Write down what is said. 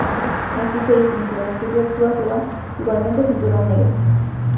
No existe distinción exterior, todos llevan igualmente cinturón negro.